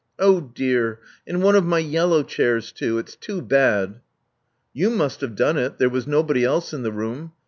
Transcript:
Oh dear! and one of my yellow chairs too. It's too bad." *'You must have done it: there was nobody else in the room.